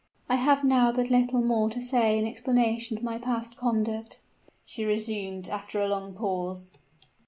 "I have now but little more to say in explanation of my past conduct," she resumed, after a long pause.